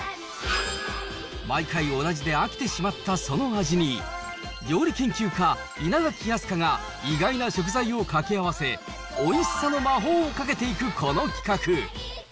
毎回同じで飽きてしまったその味に、料理研究家、稲垣飛鳥が意外な食材をかけあわせ、おいしさの魔法をかけていくこの企画。